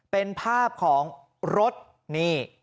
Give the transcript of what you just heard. เป็นภาพของรถนี่